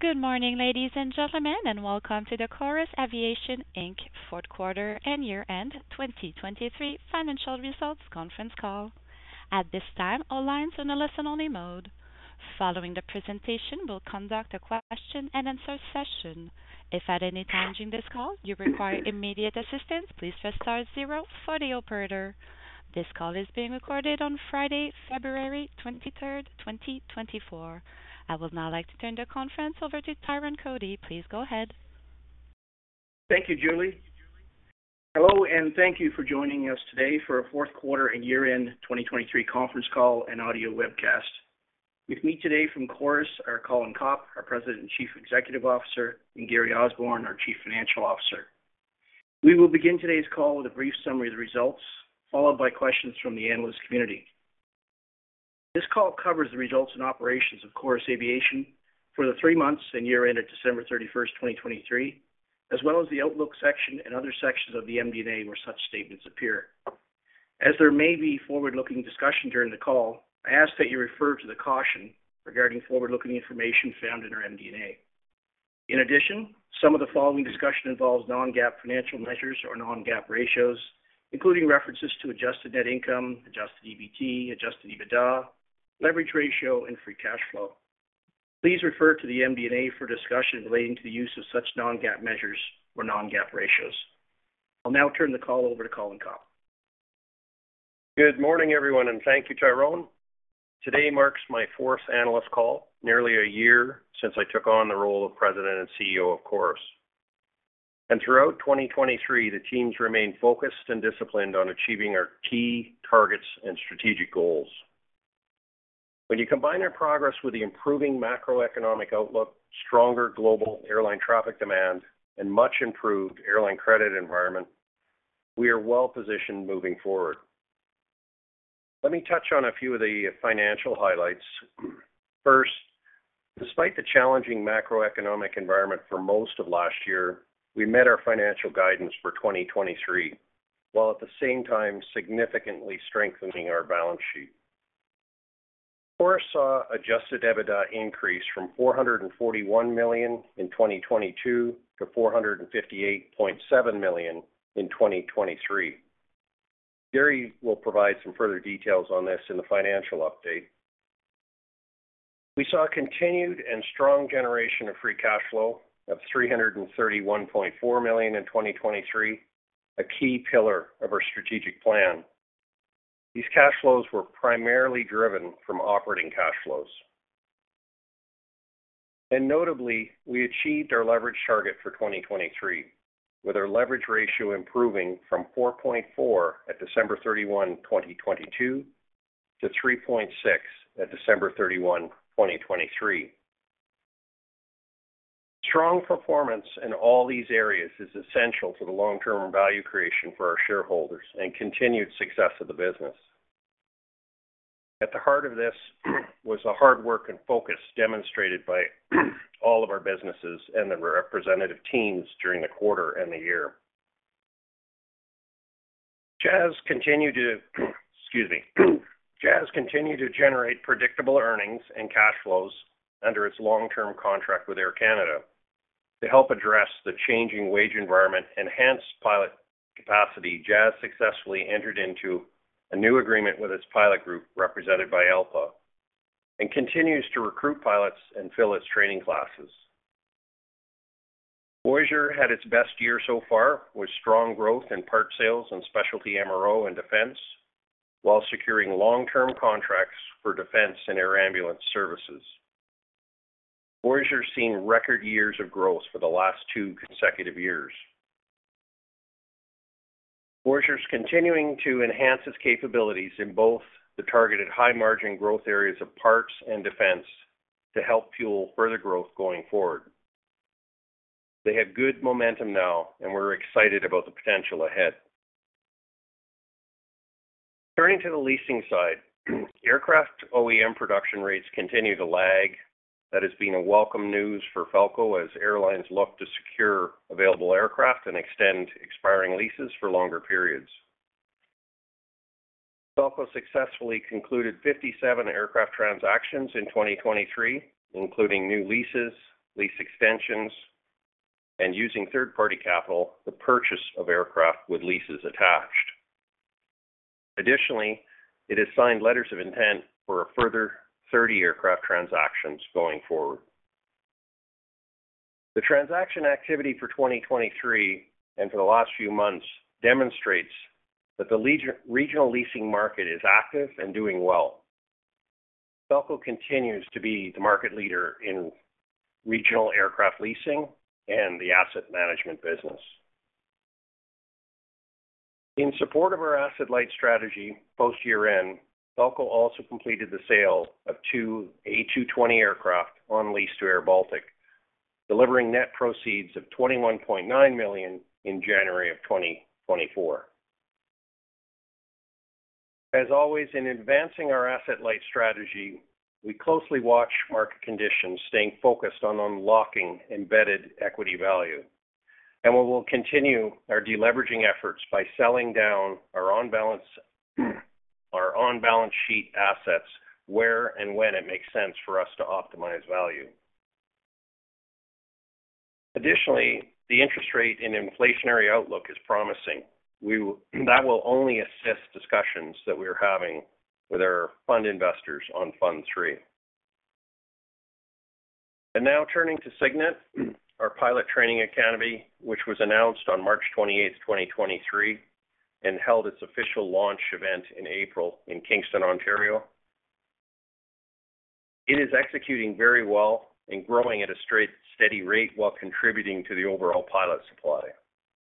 Good morning, ladies and gentlemen, and welcome to the Chorus Aviation, Inc headquarters and year-end 2023 financial results conference call. At this time, all lines are in a listen-only mode. Following the presentation, we'll conduct a question-and-answer session. If at any time during this call you require immediate assistance, please press star zero for the operator. This call is being recorded on Friday, February 23rd, 2024. I would now like to turn the conference over to Tyrone Cotie. Please go ahead. Thank you, Julie. Hello, and thank you for joining us today for a fourth quarter and year-end 2023 conference call and audio webcast. With me today from Chorus are Colin Copp, our President and Chief Executive Officer, and Gary Osborne, our Chief Financial Officer. We will begin today's call with a brief summary of the results, followed by questions from the analyst community. This call covers the results and operations of Chorus Aviation for the three months and year-end at December 31st, 2023, as well as the outlook section and other sections of the MD&A where such statements appear. As there may be forward-looking discussion during the call, I ask that you refer to the caution regarding forward-looking information found in our MD&A. In addition, some of the following discussion involves non-GAAP financial measures or non-GAAP ratios, including references to adjusted net income, adjusted EBT, adjusted EBITDA, leverage ratio, and free cash flow. Please refer to the MD&A for discussion relating to the use of such non-GAAP measures or non-GAAP ratios. I'll now turn the call over to Colin Copp. Good morning, everyone, and thank you, Tyrone. Today marks my fourth analyst call, nearly a year since I took on the role of President and CEO of Chorus. And throughout 2023, the teams remain focused and disciplined on achieving our key targets and strategic goals. When you combine our progress with the improving macroeconomic outlook, stronger global airline traffic demand, and much-improved airline credit environment, we are well-positioned moving forward. Let me touch on a few of the financial highlights. First, despite the challenging macroeconomic environment for most of last year, we met our financial guidance for 2023 while at the same time significantly strengthening our balance sheet. Chorus saw adjusted EBITDA increase from 441 million in 2022 to 458.7 million in 2023. Gary will provide some further details on this in the financial update. We saw continued and strong generation of free cash flow of 331.4 million in 2023, a key pillar of our strategic plan. These cash flows were primarily driven from operating cash flows. And notably, we achieved our leverage target for 2023, with our leverage ratio improving from 4.4 at December 31, 2022, to 3.6 at December 31, 2023. Strong performance in all these areas is essential to the long-term value creation for our shareholders and continued success of the business. At the heart of this was the hard work and focus demonstrated by all of our businesses and the representative teams during the quarter and the year. Jazz continued to generate predictable earnings and cash flows under its long-term contract with Air Canada. To help address the changing wage environment, enhanced pilot capacity, Jazz successfully entered into a new agreement with its pilot group represented by ALPA, and continues to recruit pilots and fill its training classes. Voyageur had its best year so far with strong growth in part sales and specialty MRO in defense while securing long-term contracts for defense and air ambulance services. Voyageur's seen record years of growth for the last two consecutive years. Voyageur's continuing to enhance its capabilities in both the targeted high-margin growth areas of parts and defense to help fuel further growth going forward. They have good momentum now, and we're excited about the potential ahead. Turning to the leasing side, aircraft OEM production rates continue to lag. That has been welcome news for Falko as airlines look to secure available aircraft and extend expiring leases for longer periods. Falko successfully concluded 57 aircraft transactions in 2023, including new leases, lease extensions, and, using third-party capital, the purchase of aircraft with leases attached. Additionally, it has signed letters of intent for further 30 aircraft transactions going forward. The transaction activity for 2023 and for the last few months demonstrates that the regional leasing market is active and doing well. Falko continues to be the market leader in regional aircraft leasing and the asset management business. In support of our asset-light strategy post-year-end, Falko also completed the sale of two A220 aircraft on lease to airBaltic, delivering net proceeds of $21.9 million in January of 2024. As always, in advancing our asset-light strategy, we closely watch market conditions, staying focused on unlocking embedded equity value. We will continue our deleveraging efforts by selling down our on-balance sheet assets where and when it makes sense for us to optimize value. Additionally, the interest rate and inflationary outlook is promising. That will only assist discussions that we are having with our fund investors on Fund III. Now turning to Cygnet, our pilot training academy, which was announced on March 28, 2023, and held its official launch event in April in Kingston, Ontario. It is executing very well and growing at a steady rate while contributing to the overall pilot supply,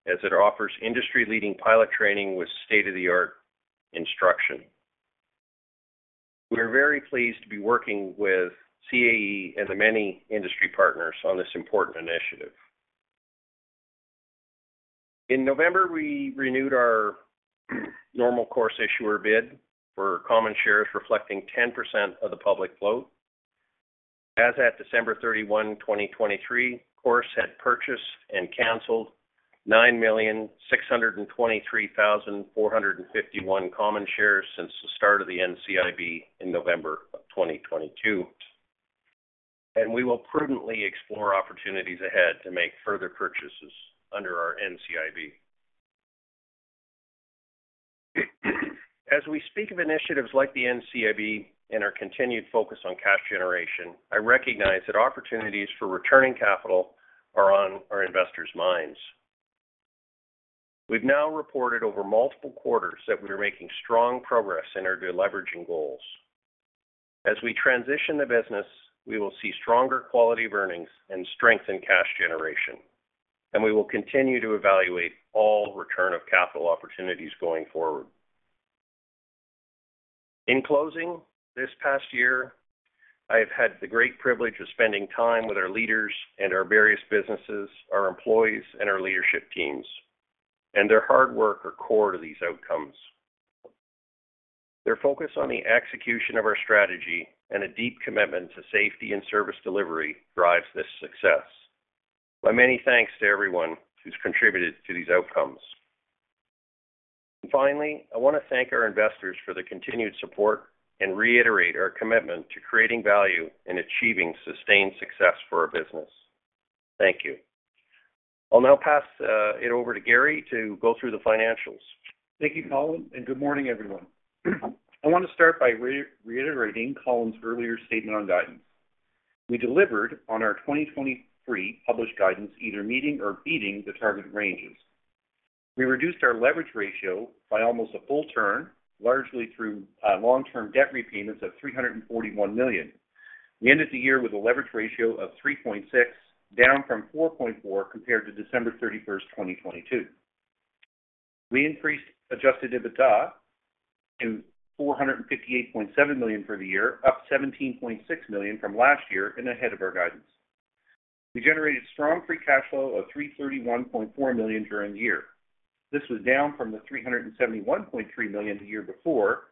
as it offers industry-leading pilot training with state-of-the-art instruction. We are very pleased to be working with CAE and the many industry partners on this important initiative. In November, we renewed our Normal Course Issuer Bid for common shares reflecting 10% of the public float. As at December 31, 2023, Chorus had purchased and canceled 9,623,451 common shares since the start of the NCIB in November of 2022. We will prudently explore opportunities ahead to make further purchases under our NCIB. As we speak of initiatives like the NCIB and our continued focus on cash generation, I recognize that opportunities for returning capital are on our investors' minds. We've now reported over multiple quarters that we are making strong progress in our deleveraging goals. As we transition the business, we will see stronger quality of earnings and strengthen cash generation. We will continue to evaluate all return of capital opportunities going forward. In closing, this past year, I have had the great privilege of spending time with our leaders and our various businesses, our employees, and our leadership teams. Their hard work is core to these outcomes. Their focus on the execution of our strategy and a deep commitment to safety and service delivery drives this success. My many thanks to everyone who's contributed to these outcomes. Finally, I want to thank our investors for their continued support and reiterate our commitment to creating value and achieving sustained success for our business. Thank you. I'll now pass it over to Gary to go through the financials. Thank you, Colin, and good morning, everyone. I want to start by reiterating Colin's earlier statement on guidance. We delivered on our 2023 published guidance either meeting or beating the target ranges. We reduced our leverage ratio by almost a full turn, largely through long-term debt repayments of 341 million. We ended the year with a leverage ratio of 3.6, down from 4.4 compared to December 31, 2022. We increased adjusted EBITDA to 458.7 million for the year, up 17.6 million from last year and ahead of our guidance. We generated strong free cash flow of 331.4 million during the year. This was down from the 371.3 million the year before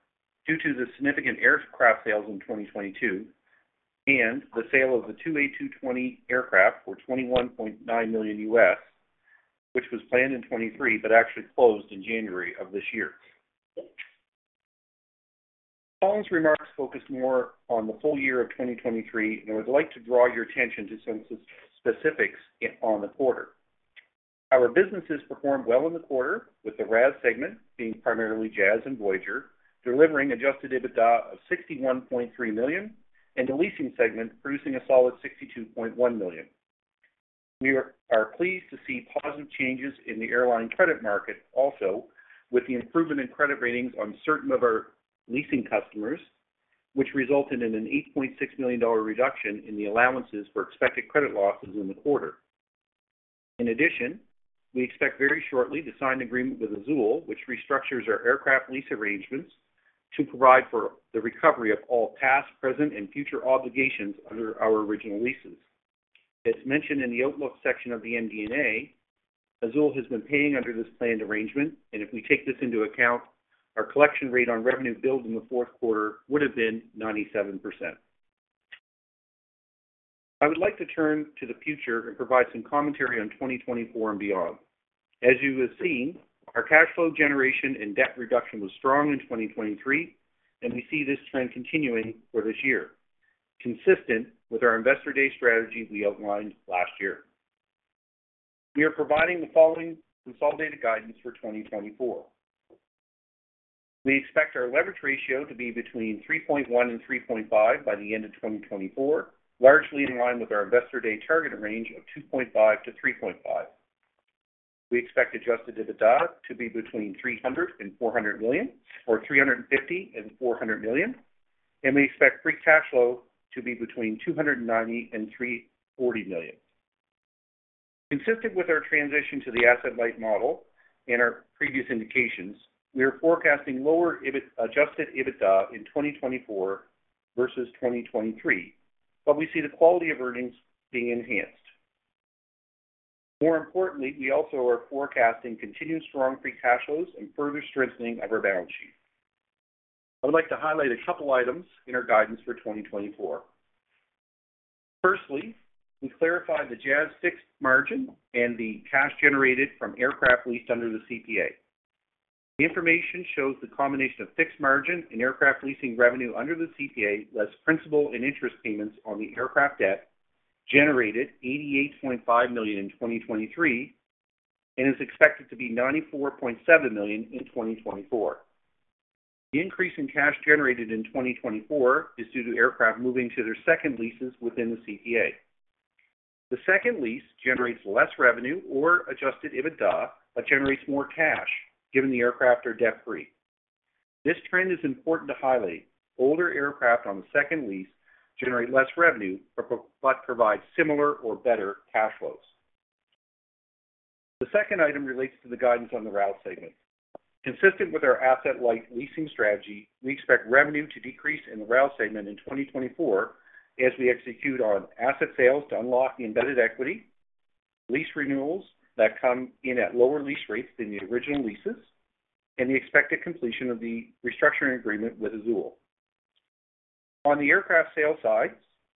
due to the significant aircraft sales in 2022 and the sale of the two A220 aircraft for $21.9 million, which was planned in 2023 but actually closed in January of this year. Colin's remarks focused more on the full year of 2023, and I would like to draw your attention to some specifics on the quarter. Our businesses performed well in the quarter, with the RAS segment being primarily Jazz and Voyageur delivering adjusted EBITDA of 61.3 million and the leasing segment producing a solid 62.1 million. We are pleased to see positive changes in the airline credit market also, with the improvement in credit ratings on certain of our leasing customers, which resulted in a 8.6 million dollar reduction in the allowances for expected credit losses in the quarter. In addition, we expect very shortly the signed agreement with Azul, which restructures our aircraft lease arrangements to provide for the recovery of all past, present, and future obligations under our original leases. As mentioned in the outlook section of the MD&A, Azul has been paying under this planned arrangement, and if we take this into account, our collection rate on revenue billed in the fourth quarter would have been 97%. I would like to turn to the future and provide some commentary on 2024 and beyond. As you have seen, our cash flow generation and debt reduction was strong in 2023, and we see this trend continuing for this year, consistent with our Investor Day strategy we outlined last year. We are providing the following consolidated guidance for 2024. We expect our leverage ratio to be between 3.1 and 3.5 by the end of 2024, largely in line with our Investor Day target range of 2.5-3.5. We expect adjusted EBITDA to be between 300 million and 400 million or 350 million and 400 million, and we expect free cash flow to be between 290 million and 340 million. Consistent with our transition to the asset-light model and our previous indications, we are forecasting lower adjusted EBITDA in 2024 versus 2023, but we see the quality of earnings being enhanced. More importantly, we also are forecasting continued strong free cash flows and further strengthening of our balance sheet. I would like to highlight a couple of items in our guidance for 2024. Firstly, we clarified the Jazz fixed margin and the cash generated from aircraft leased under the CPA. The information shows the combination of fixed margin and aircraft leasing revenue under the CPA less principal and interest payments on the aircraft debt generated 88.5 million in 2023 and is expected to be 94.7 million in 2024. The increase in cash generated in 2024 is due to aircraft moving to their second leases within the CPA. The second lease generates less revenue or adjusted EBITDA but generates more cash, given the aircraft are debt-free. This trend is important to highlight. Older aircraft on the second lease generate less revenue but provide similar or better cash flows. The second item relates to the guidance on the RAL segment. Consistent with our asset-light leasing strategy, we expect revenue to decrease in the RAL segment in 2024 as we execute on asset sales to unlock the embedded equity, lease renewals that come in at lower lease rates than the original leases, and the expected completion of the restructuring agreement with Azul. On the aircraft sale side,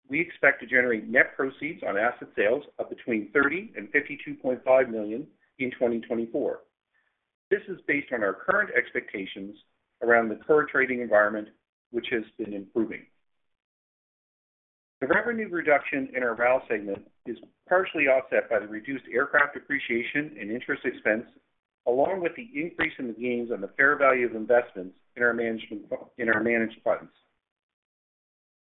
we expect to generate net proceeds on asset sales of between 30 million and 52.5 million in 2024. This is based on our current expectations around the current trading environment, which has been improving. The revenue reduction in our RAL segment is partially offset by the reduced aircraft depreciation and interest expense, along with the increase in the gains on the fair value of investments in our managed funds.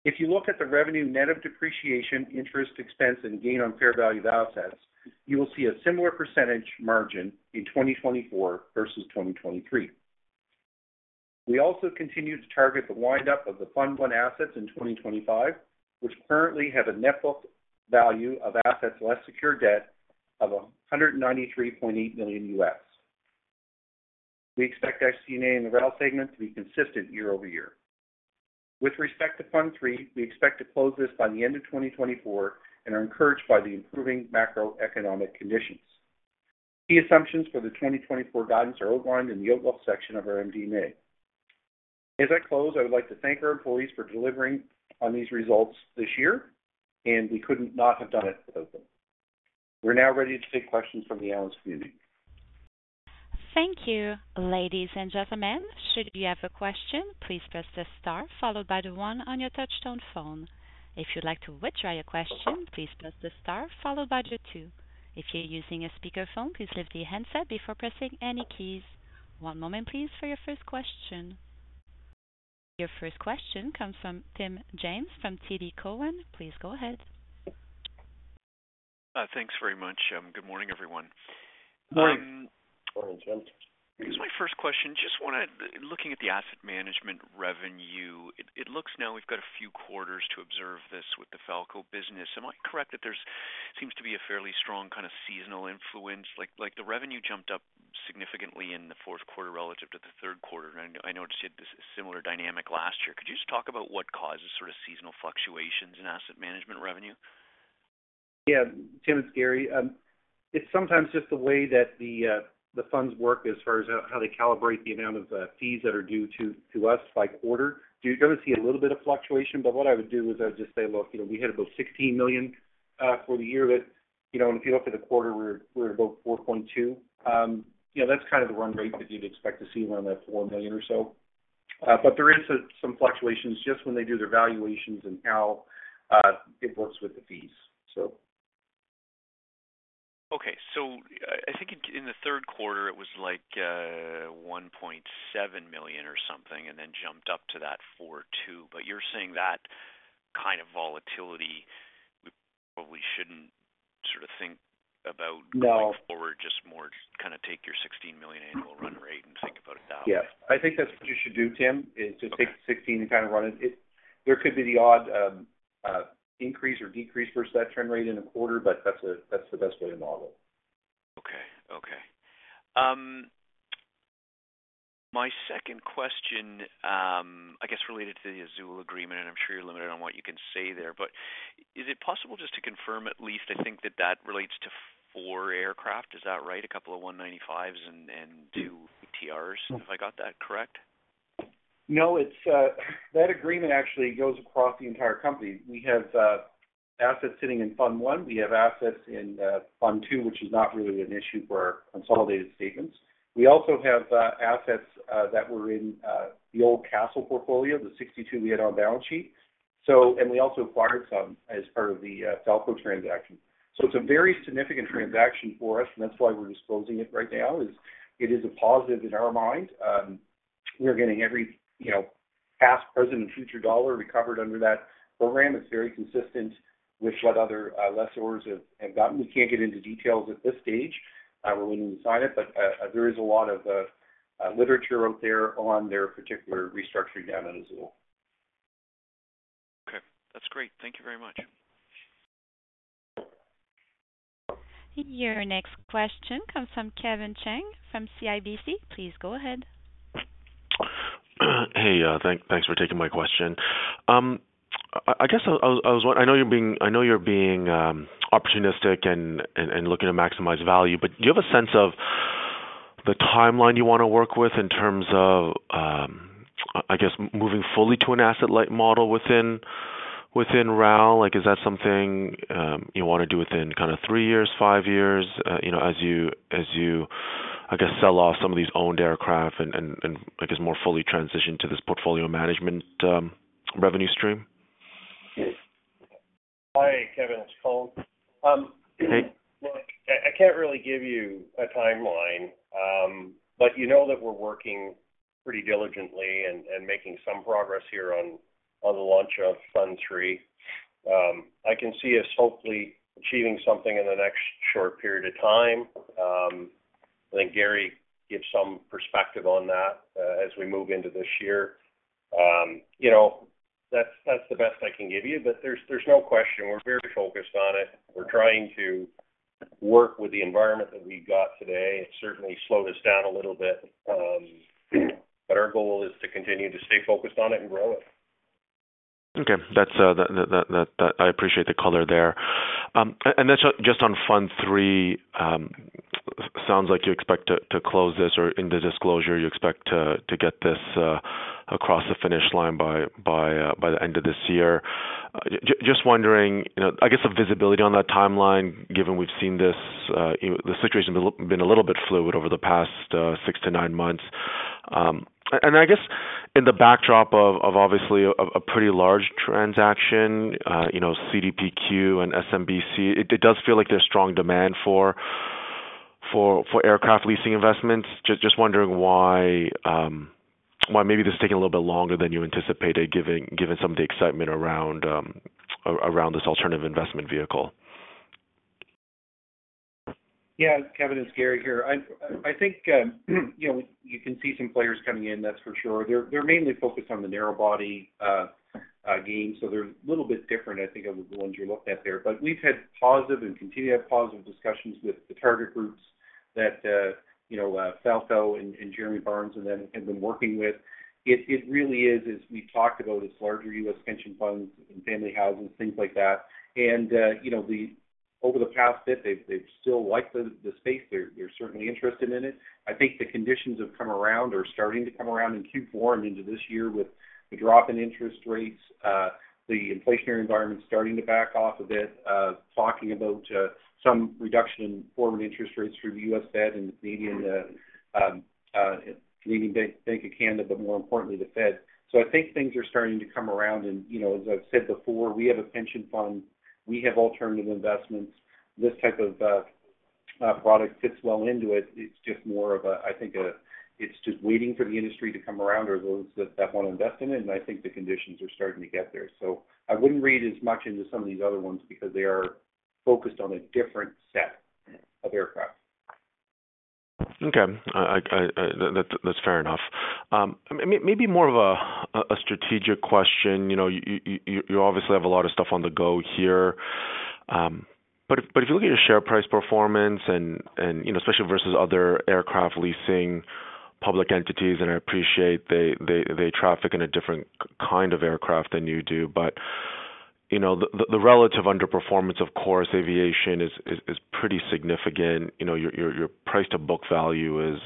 If you look at the revenue net of depreciation, interest, expense, and gain on fair value of assets, you will see a similar percentage margin in 2024 versus 2023. We also continue to target the windup of the Fund I assets in 2025, which currently have a net book value of assets less secure debt of $193.8 million. We expect SG&A and the RAL segment to be consistent year-over-year. With respect to Fund III, we expect to close this by the end of 2024 and are encouraged by the improving macroeconomic conditions. Key assumptions for the 2024 guidance are outlined in the outlook section of our MD&A. As I close, I would like to thank our employees for delivering on these results this year, and we could not have done it without them. We're now ready to take questions from the analyst community. Thank you, ladies and gentlemen. Should you have a question, please press the star followed by the one on your touch-tone phone. If you'd like to withdraw your question, please press the star followed by the two. If you're using a speakerphone, please leave the handset before pressing any keys. One moment, please, for your first question. Your first question comes from Tim James from TD Cowen. Please go ahead. Thanks very much. Good morning, everyone. Morning. Morning, Tim. Here's my first question. Just want to look at the asset management revenue. It looks now we've got a few quarters to observe this with the Falko business. Am I correct that there seems to be a fairly strong kind of seasonal influence? The revenue jumped up significantly in the fourth quarter relative to the third quarter. I noticed you had a similar dynamic last year. Could you just talk about what causes sort of seasonal fluctuations in asset management revenue? Yeah. Tim, it's Gary. It's sometimes just the way that the funds work as far as how they calibrate the amount of fees that are due to us by quarter. You're going to see a little bit of fluctuation, but what I would do is I would just say, "Look, we had about 16 million for the year, but if you look at the quarter, we were at about 4.2 million." That's kind of the run rate that you'd expect to see around that 4 million or so. But there is some fluctuations just when they do their valuations and how it works with the fees, so. Okay. So I think in the third quarter, it was like 1.7 million or something and then jumped up to that 4.2 million. But you're saying that kind of volatility, we probably shouldn't sort of think about going forward, just more kind of take your 16 million annual run rate and think about it that way. Yeah. I think that's what you should do, Tim, is just take the 16 and kind of run it. There could be the odd increase or decrease versus that trend rate in a quarter, but that's the best way to model it. Okay. Okay. My second question, I guess, related to the Azul agreement, and I'm sure you're limited on what you can say there, but is it possible just to confirm at least I think that that relates to four aircraft. Is that right? A couple of 195s and two CRJs, if I got that correct? No. That agreement actually goes across the entire company. We have assets sitting in Fund I. We have assets in Fund II, which is not really an issue for our consolidated statements. We also have assets that were in the old Castlelake portfolio, the 62 we had on balance sheet, and we also acquired some as part of the Falko transaction. So it's a very significant transaction for us, and that's why we're disclosing it right now, is it is a positive in our mind. We're getting every past, present, and future dollar recovered under that program. It's very consistent with what other lessors have gotten. We can't get into details at this stage. We're waiting to sign it, but there is a lot of literature out there on their particular restructuring down at Azul. Okay. That's great. Thank you very much. Your next question comes from Kevin Chiang from CIBC. Please go ahead. Hey. Thanks for taking my question. I guess I was wondering. I know you're being opportunistic and looking to maximize value, but do you have a sense of the timeline you want to work with in terms of, I guess, moving fully to an asset-light model within RAL? Is that something you want to do within kind of three years, five years, as you, I guess, sell off some of these owned aircraft and, I guess, more fully transition to this portfolio management revenue stream? Hi, Kevin. It's Colin. Look, I can't really give you a timeline, but you know that we're working pretty diligently and making some progress here on the launch of Fund III. I can see us hopefully achieving something in the next short period of time. I think Gary gives some perspective on that as we move into this year. That's the best I can give you, but there's no question. We're very focused on it. We're trying to work with the environment that we've got today. It certainly slowed us down a little bit, but our goal is to continue to stay focused on it and grow it. Okay. I appreciate the color there. And just on Fund III, sounds like you expect to close this or in the disclosure, you expect to get this across the finish line by the end of this year. Just wondering, I guess, the visibility on that timeline, given we've seen this the situation has been a little bit fluid over the past 6-9 months. And I guess in the backdrop of, obviously, a pretty large transaction, CDPQ and SMBC, it does feel like there's strong demand for aircraft leasing investments. Just wondering why maybe this is taking a little bit longer than you anticipated, given some of the excitement around this alternative investment vehicle. Yeah. Kevin and Gary here. I think you can see some players coming in, that's for sure. They're mainly focused on the narrow-body game, so they're a little bit different, I think, of the ones you're looking at there. But we've had positive and continue to have positive discussions with the target groups that Falko and Jeremy Barnes and team have been working with. It really is, as we've talked about, it's larger U.S. pension funds and family houses, things like that. And over the past bit, they've still liked the space. They're certainly interested in it. I think the conditions have come around or starting to come around in Q4 and into this year with the drop in interest rates, the inflationary environment starting to back off a bit, talking about some reduction in foreign interest rates through the U.S. Fed and the Canadian Bank of Canada, but more importantly, the Fed. So I think things are starting to come around. And as I've said before, we have a pension fund. We have alternative investments. This type of product fits well into it. It's just more of a I think it's just waiting for the industry to come around or those that want to invest in it, and I think the conditions are starting to get there. So I wouldn't read as much into some of these other ones because they are focused on a different set of aircraft. Okay. That's fair enough. Maybe more of a strategic question. You obviously have a lot of stuff on the go here. But if you look at your share price performance, and especially versus other aircraft leasing public entities, and I appreciate they traffic in a different kind of aircraft than you do, but the relative underperformance, of course, aviation is pretty significant. Your price-to-book value is,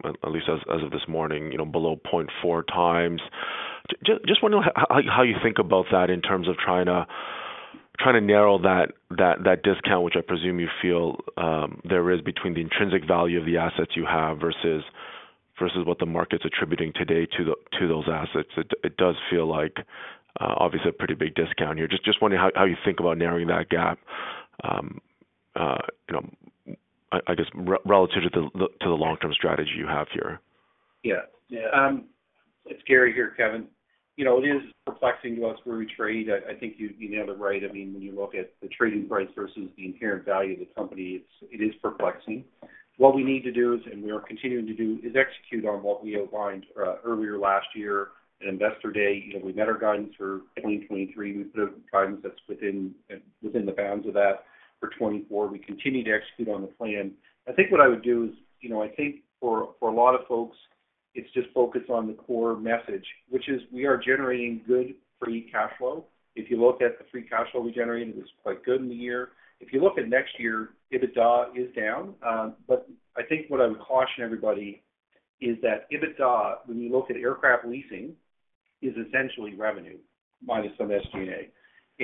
at least as of this morning, below 0.4 times. Just wondering how you think about that in terms of trying to narrow that discount, which I presume you feel there is, between the intrinsic value of the assets you have versus what the market's attributing today to those assets. It does feel like, obviously, a pretty big discount here. Just wondering how you think about narrowing that gap, I guess, relative to the long-term strategy you have here. Yeah. Yeah. It's Gary here, Kevin. It is perplexing to us where we trade. I think you nailed it right. I mean, when you look at the trading price versus the inherent value of the company, it is perplexing. What we need to do, and we are continuing to do, is execute on what we outlined earlier last year at Investor Day. We met our guidance for 2023. We put a guidance that's within the bounds of that for 2024. We continue to execute on the plan. I think what I would do is I think for a lot of folks, it's just focus on the core message, which is we are generating good free cash flow. If you look at the free cash flow we generated, it was quite good in the year. If you look at next year, EBITDA is down. But I think what I would caution everybody is that EBITDA, when you look at aircraft leasing, is essentially revenue minus some SG&A.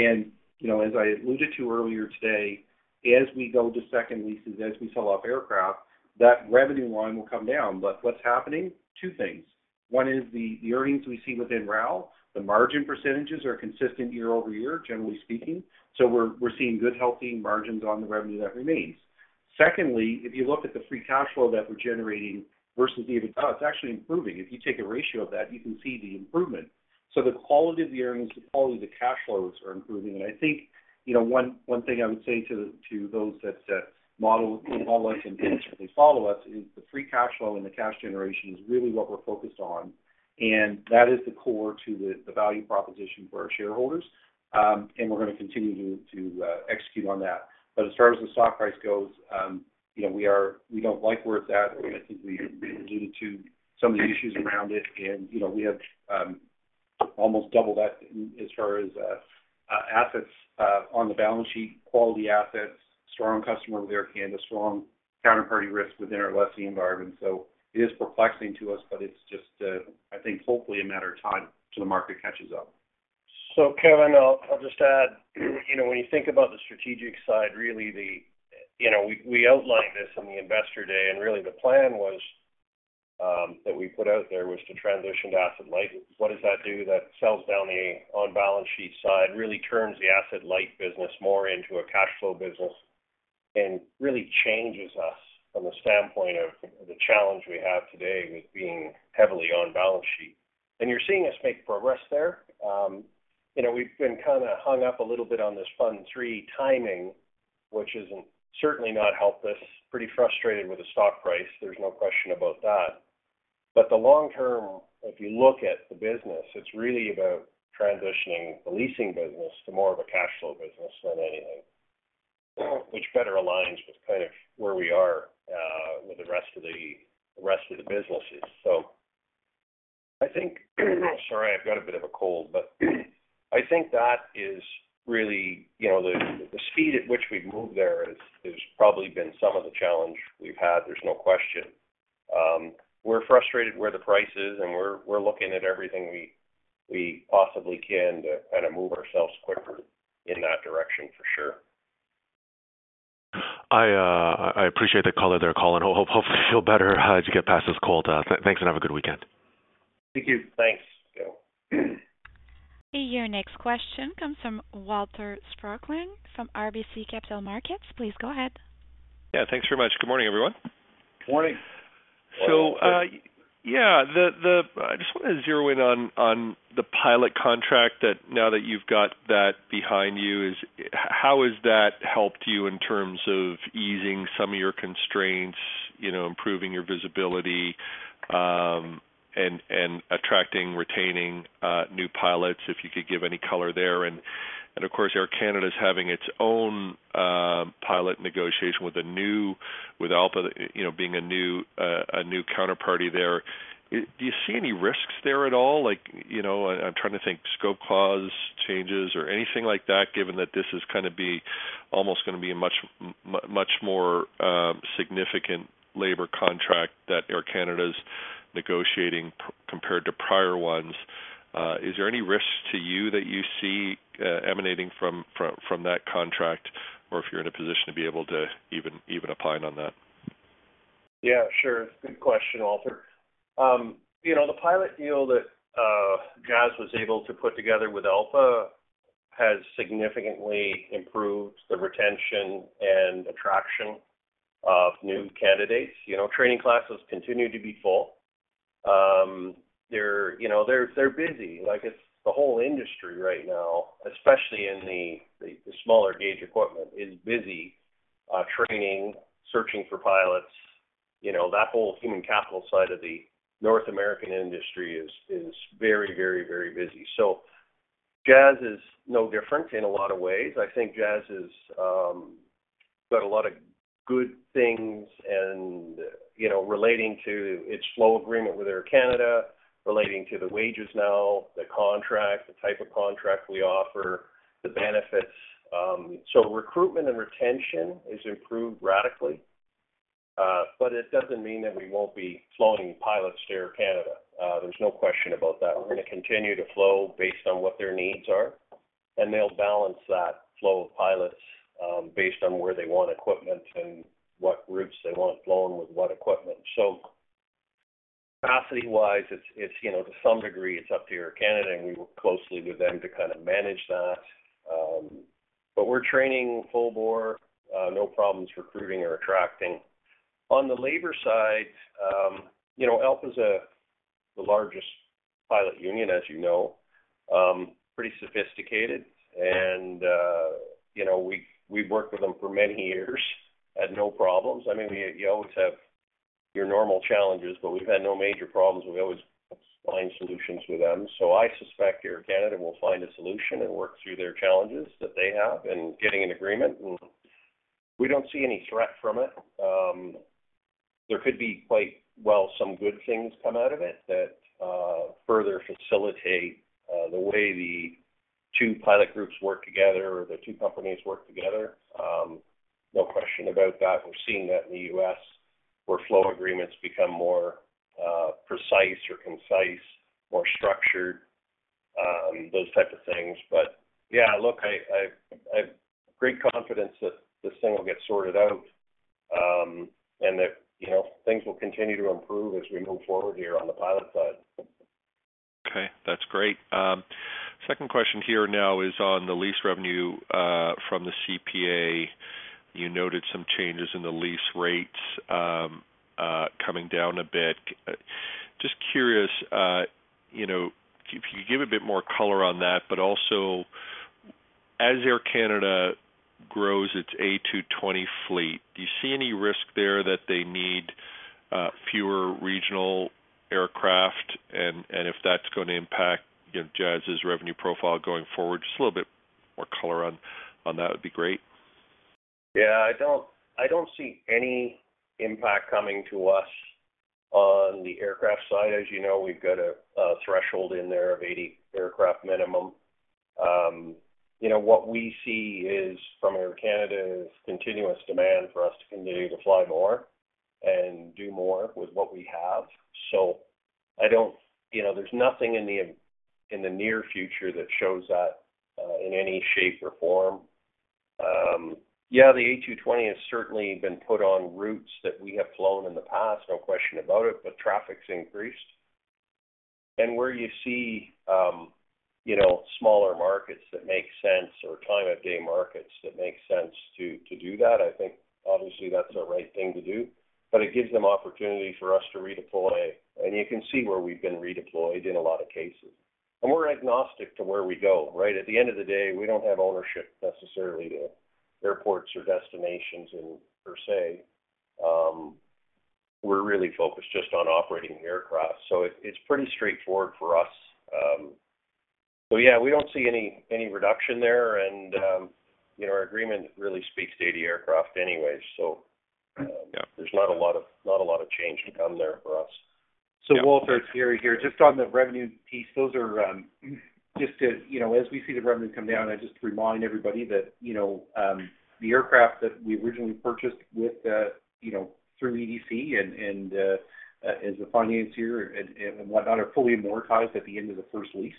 And as I alluded to earlier today, as we go to second leases, as we sell off aircraft, that revenue line will come down. But what's happening? Two things. One is the earnings we see within RAL. The margin percentages are consistent year-over-year, generally speaking. So we're seeing good, healthy margins on the revenue that remains. Secondly, if you look at the free cash flow that we're generating versus the EBITDA, it's actually improving. If you take a ratio of that, you can see the improvement. So the quality of the earnings, the quality of the cash flows are improving. I think one thing I would say to those that model us and certainly follow us is the free cash flow and the cash generation is really what we're focused on, and that is the core to the value proposition for our shareholders. We're going to continue to execute on that. But as far as the stock price goes, we don't like where it's at. I think we alluded to some of the issues around it, and we have almost doubled that as far as assets on the balance sheet, quality assets, strong customer with Air Canada, strong counterparty risk within our lessee environment. So it is perplexing to us, but it's just, I think, hopefully a matter of time till the market catches up. So Kevin, I'll just add. When you think about the strategic side, really, we outlined this in the Investor Day, and really, the plan that we put out there was to transition to asset-light. What does that do? That sells down the on-balance sheet side, really turns the asset-light business more into a cash flow business and really changes us from the standpoint of the challenge we have today with being heavily on balance sheet. And you're seeing us make progress there. We've been kind of hung up a little bit on this Fund III timing, which has certainly not helped us. Pretty frustrated with the stock price. There's no question about that. But the long term, if you look at the business, it's really about transitioning the leasing business to more of a cash flow business than anything, which better aligns with kind of where we are with the rest of the businesses. So I think, sorry, I've got a bit of a cold, but I think that is really the speed at which we've moved there has probably been some of the challenge we've had. There's no question. We're frustrated where the price is, and we're looking at everything we possibly can to kind of move ourselves quicker in that direction, for sure. I appreciate the color there, Colin. Hope you feel better as you get past this cold. Thanks, and have a good weekend. Thank you. Thanks. Your next question comes from Walter Spracklin from RBC Capital Markets. Please go ahead. Yeah. Thanks very much. Good morning, everyone. Morning. So yeah. I just want to zero in on the pilot contract now that you've got that behind you. How has that helped you in terms of easing some of your constraints, improving your visibility, and attracting, retaining new pilots, if you could give any color there? And of course, Air Canada is having its own pilot negotiation with ALPA being a new counterparty there. Do you see any risks there at all? I'm trying to think scope clause changes or anything like that, given that this is kind of almost going to be a much more significant labor contract that Air Canada is negotiating compared to prior ones. Is there any risk to you that you see emanating from that contract or if you're in a position to be able to even opine on that? Yeah. Sure. It's a good question, Walter. The pilot deal that Jazz was able to put together with ALPA has significantly improved the retention and attraction of new candidates. Training classes continue to be full. They're busy. It's the whole industry right now, especially in the smaller gauge equipment, is busy training, searching for pilots. That whole human capital side of the North American industry is very, very, very busy. So Jazz is no different in a lot of ways. I think Jazz has got a lot of good things relating to its flow agreement with Air Canada, relating to the wages now, the contract, the type of contract we offer, the benefits. So recruitment and retention has improved radically, but it doesn't mean that we won't be flowing pilots to Air Canada. There's no question about that. We're going to continue to flow based on what their needs are, and they'll balance that flow of pilots based on where they want equipment and what routes they want flown with what equipment. So capacity-wise, to some degree, it's up to Air Canada, and we work closely with them to kind of manage that. But we're training full bore. No problems recruiting or attracting. On the labor side, ALPA is the largest pilot union, as you know, pretty sophisticated. And we've worked with them for many years at no problems. I mean, you always have your normal challenges, but we've had no major problems. We always find solutions with them. So I suspect Air Canada will find a solution and work through their challenges that they have and getting an agreement. And we don't see any threat from it. There could be quite well some good things come out of it that further facilitate the way the two pilot groups work together or the two companies work together. No question about that. We're seeing that in the U.S. where flow agreements become more precise or concise, more structured, those type of things. But yeah, look, I have great confidence that this thing will get sorted out and that things will continue to improve as we move forward here on the pilot side. Okay. That's great. Second question here now is on the lease revenue from the CPA. You noted some changes in the lease rates coming down a bit. Just curious if you could give a bit more color on that. But also, as Air Canada grows its A220 fleet, do you see any risk there that they need fewer regional aircraft and if that's going to impact Jazz's revenue profile going forward? Just a little bit more color on that would be great. Yeah. I don't see any impact coming to us on the aircraft side. As you know, we've got a threshold in there of 80 aircraft minimum. What we see from Air Canada is continuous demand for us to continue to fly more and do more with what we have. So I don't. There's nothing in the near future that shows that in any shape or form. Yeah, the A220 has certainly been put on routes that we have flown in the past, no question about it, but traffic's increased. And where you see smaller markets that make sense or time-of-day markets that make sense to do that, I think, obviously, that's the right thing to do. But it gives them opportunity for us to redeploy. And you can see where we've been redeployed in a lot of cases. And we're agnostic to where we go, right? At the end of the day, we don't have ownership necessarily to airports or destinations per se. We're really focused just on operating the aircraft. So it's pretty straightforward for us. So yeah, we don't see any reduction there, and our agreement really speaks to 80 aircraft anyways. So there's not a lot of change to come there for us. So Walter, it's Gary here. Just on the revenue piece, those are just as we see the revenue come down. I'd just remind everybody that the aircraft that we originally purchased through EDC and as a financier and whatnot are fully amortized at the end of the first lease.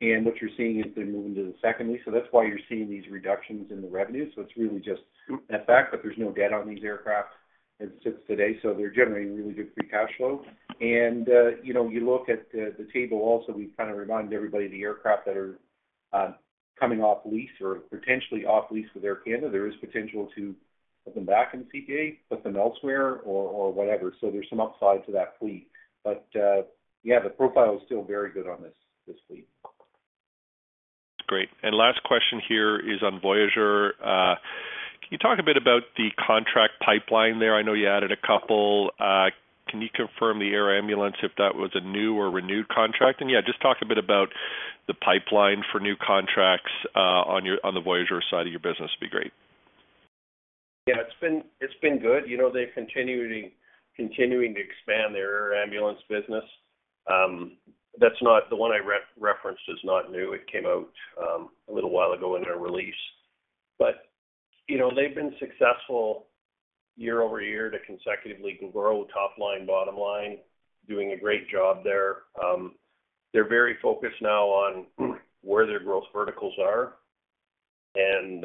And what you're seeing is they're moving to the second lease. So that's why you're seeing these reductions in the revenue. So it's really just that fact, but there's no debt on these aircraft as it sits today. So they're generating really good free cash flow. And you look at the table also, we've kind of reminded everybody of the aircraft that are coming off lease or potentially off lease with Air Canada. There is potential to put them back in the CPA, put them elsewhere, or whatever. So there's some upside to that fleet. Yeah, the profile is still very good on this fleet. Great. And last question here is on Voyageur. Can you talk a bit about the contract pipeline there? I know you added a couple. Can you confirm the air ambulance, if that was a new or renewed contract? And yeah, just talk a bit about the pipeline for new contracts on the Voyageur side of your business would be great. Yeah. It's been good. They're continuing to expand their air ambulance business. The one I referenced is not new. It came out a little while ago in their release. But they've been successful year-over-year to consecutively grow top line, bottom line, doing a great job there. They're very focused now on where their growth verticals are and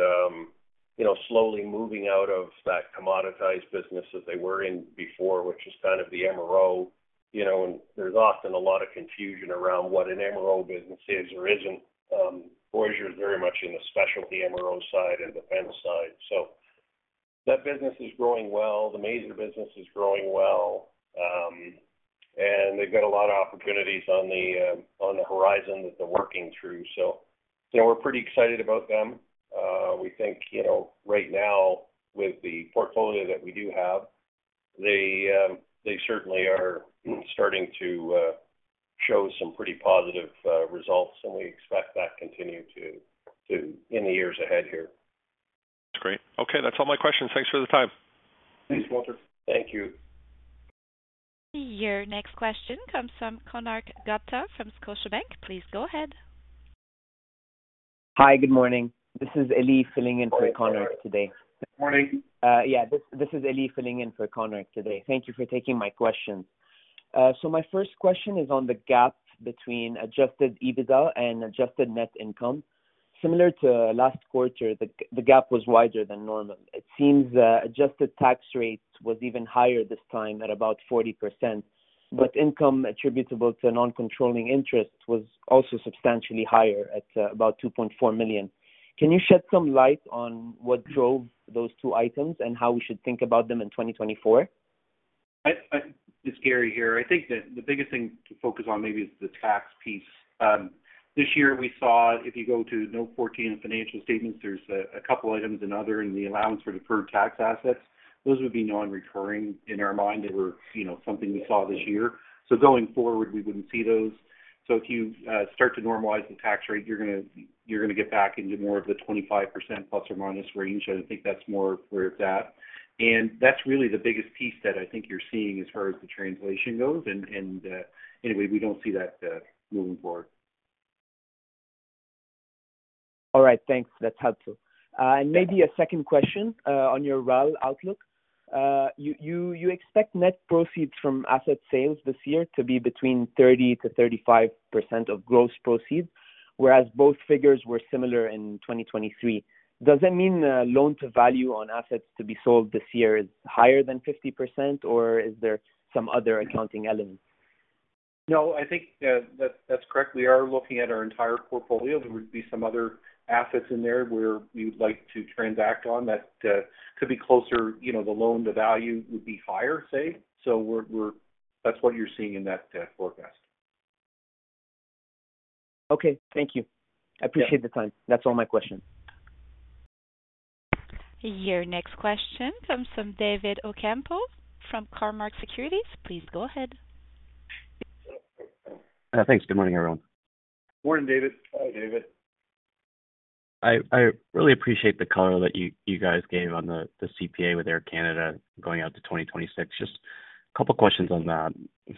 slowly moving out of that commoditized business that they were in before, which is kind of the MRO. And there's often a lot of confusion around what an MRO business is or isn't. Voyageur is very much in the specialty MRO side and defense side. So that business is growing well. The MAISR business is growing well, and they've got a lot of opportunities on the horizon that they're working through. So we're pretty excited about them. We think right now, with the portfolio that we do have, they certainly are starting to show some pretty positive results. We expect that to continue in the years ahead here. That's great. Okay. That's all my questions. Thanks for the time. Thanks, Walter. Thank you. Your next question comes from Konark Gupta from Scotiabank. Please go ahead. Hi. Good morning. This is Ali filling in for Konark Gupta today. Morning. Yeah. This is Ali filling in for Konark today. Thank you for taking my questions. So my first question is on the gap between adjusted EBITDA and adjusted net income. Similar to last quarter, the gap was wider than normal. It seems adjusted tax rate was even higher this time at about 40%, but income attributable to non-controlling interest was also substantially higher at about 2.4 million. Can you shed some light on what drove those two items and how we should think about them in 2024? It's Gary here. I think that the biggest thing to focus on maybe is the tax piece. This year, we saw if you go to Note 14 in financial statements, there's a couple of items and other in the allowance for deferred tax assets. Those would be non-recurring in our mind. They were something we saw this year. So going forward, we wouldn't see those. So if you start to normalize the tax rate, you're going to get back into more of the 25% ± range. I think that's more where it's at. And that's really the biggest piece that I think you're seeing as far as the translation goes. And anyway, we don't see that moving forward. All right. Thanks. That's helpful. And maybe a second question on your RAL outlook. You expect net proceeds from asset sales this year to be between 30%-35% of gross proceeds, whereas both figures were similar in 2023. Does that mean loan-to-value on assets to be sold this year is higher than 50%, or is there some other accounting element? No. I think that's correct. We are looking at our entire portfolio. There would be some other assets in there where we would like to transact on that could be closer. The loan-to-value would be higher, say. So that's what you're seeing in that forecast. Okay. Thank you. I appreciate the time. That's all my questions. Your next question comes from David Ocampo from Cormark Securities. Please go ahead. Thanks. Good morning, everyone. Morning, David. Hi, David. I really appreciate the color that you guys gave on the CPA with Air Canada going out to 2026. Just a couple of questions on that.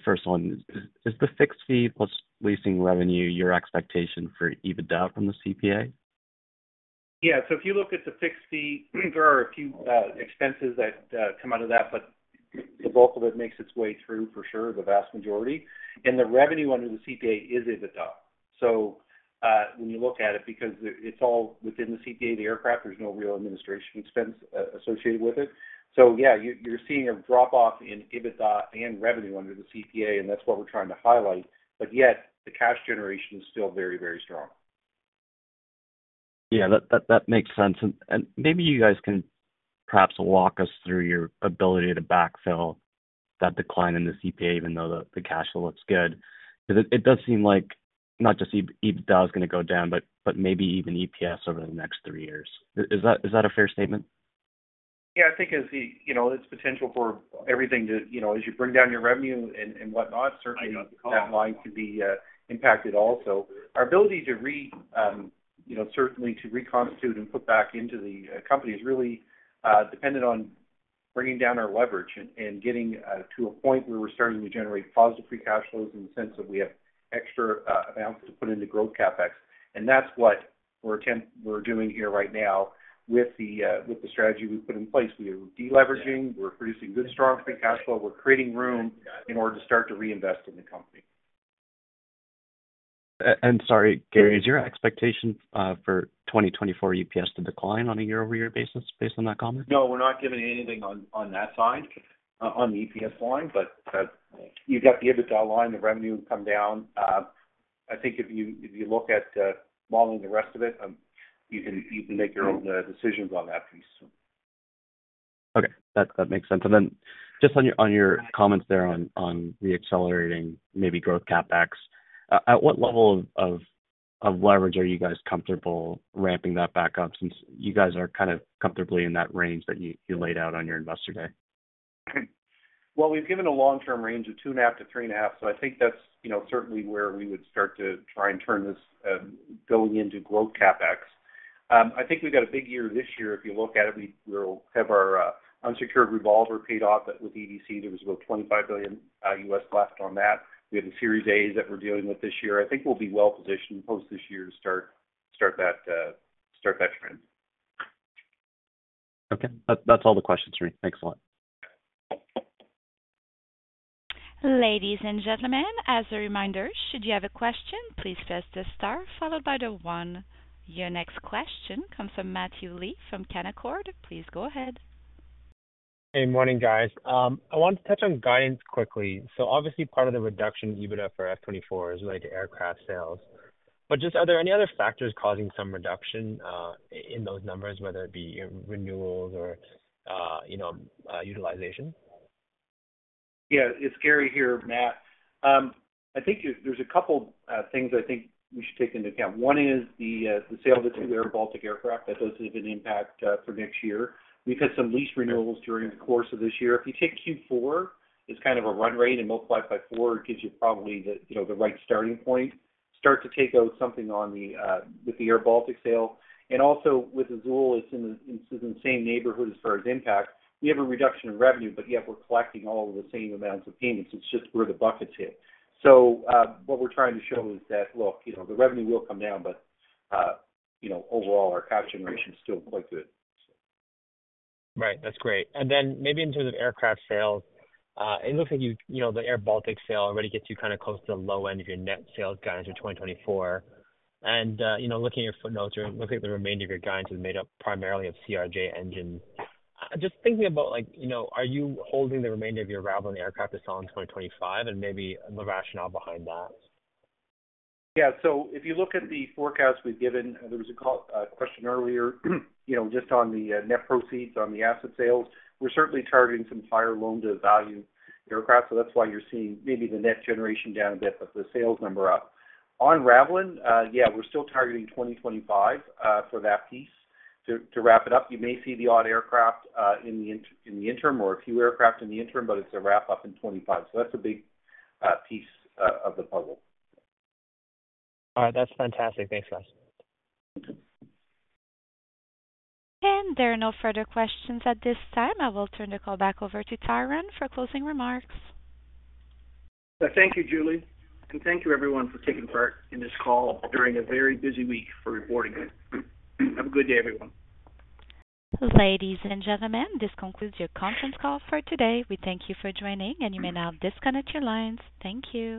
First one, is the fixed fee plus leasing revenue your expectation for EBITDA from the CPA? Yeah. So if you look at the fixed fee, there are a few expenses that come out of that, but the bulk of it makes its way through for sure, the vast majority. And the revenue under the CPA is EBITDA. So when you look at it, because it's all within the CPA, the aircraft, there's no real administration expense associated with it. So yeah, you're seeing a drop-off in EBITDA and revenue under the CPA, and that's what we're trying to highlight. But yet, the cash generation is still very, very strong. Yeah. That makes sense. Maybe you guys can perhaps walk us through your ability to backfill that decline in the CPA, even though the cash flow looks good, because it does seem like not just EBITDA is going to go down, but maybe even EPS over the next three years. Is that a fair statement? Yeah. I think it's potential for everything to as you bring down your revenue and whatnot, certainly, that line can be impacted also. Our ability to certainly reconstitute and put back into the company is really dependent on bringing down our leverage and getting to a point where we're starting to generate positive free cash flows in the sense that we have extra amounts to put into growth CapEx. That's what we're doing here right now with the strategy we put in place. We are deleveraging. We're producing good, strong free cash flow. We're creating room in order to start to reinvest in the company. And sorry, Gary, is your expectation for 2024 EPS to decline on a year-over-year basis based on that comment? No. We're not giving anything on that side, on the EPS line. You've got the EBITDA line. The revenue will come down. I think if you look at modeling the rest of it, you can make your own decisions on that piece. Okay. That makes sense. And then just on your comments there on reaccelerating, maybe growth CapEx, at what level of leverage are you guys comfortable ramping that back up since you guys are kind of comfortably in that range that you laid out on your Investor Day? Well, we've given a long-term range of 2.5-3.5. So I think that's certainly where we would start to try and turn this going into growth CapEx. I think we've got a big year this year. If you look at it, we'll have our unsecured revolver paid off with EDC. There was about $25 billion left on that. We have a Series A that we're dealing with this year. I think we'll be well-positioned post this year to start that trend. Okay. That's all the questions for me. Thanks a lot. Ladies and gentlemen, as a reminder, should you have a question, please press the star followed by the one. Your next question comes from Matthew Lee from Canaccord. Please go ahead. Hey. Morning, guys. I wanted to touch on guidance quickly. So obviously, part of the reduction in EBITDA for FY 2024 is related to aircraft sales. But just are there any other factors causing some reduction in those numbers, whether it be renewals or utilization? Yeah. It's Gary here, Matt. I think there's a couple of things I think we should take into account. One is the sale of the two airBaltic aircraft. That does have an impact for next year. We've had some lease renewals during the course of this year. If you take Q4 as kind of a run rate and multiply it by 4, it gives you probably the right starting point. Start to take out something with the airBaltic sale. And also, with Azul, it's in the same neighborhood as far as impact. We have a reduction in revenue, but yet, we're collecting all of the same amounts of payments. It's just where the buckets hit. So what we're trying to show is that, look, the revenue will come down, but overall, our cash generation is still quite good, so. Right. That's great. And then maybe in terms of aircraft sales, it looks like the airBaltic sale already gets you kind of close to the low end of your net sales guidance for 2024. And looking at your footnotes, it looks like the remainder of your guidance is made up primarily of CRJ engines. Just thinking about, are you holding the remainder of your RAL I aircraft to sell in 2025 and maybe the rationale behind that? Yeah. So if you look at the forecast we've given, there was a question earlier just on the net proceeds on the asset sales. We're certainly targeting some higher loan-to-value aircraft. So that's why you're seeing maybe the net generation down a bit, but the sales number up. On RAL I, yeah, we're still targeting 2025 for that piece to wrap it up. You may see the odd aircraft in the interim or a few aircraft in the interim, but it's a wrap-up in 2025. So that's a big piece of the puzzle. All right. That's fantastic. Thanks, guys. There are no further questions at this time. I will turn the call back over to Tyrone for closing remarks. Thank you, Julie. Thank you, everyone, for taking part in this call during a very busy week for reporting it. Have a good day, everyone. Ladies and gentlemen, this concludes your conference call for today. We thank you for joining, and you may now disconnect your lines. Thank you.